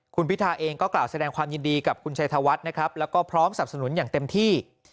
คุณพิธาเองก็กล่าวแสดงความยินดีกับคุณชัยธวัฒน์นะครับแล้วก็พร้อมสับสนุนอย่างเต็มที่